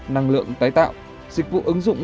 năng lượng tái tạo dịch vụ ứng dụng